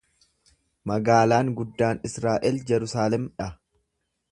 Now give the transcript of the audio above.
Magaalaan guddaan Israa’el Jerusalem dha.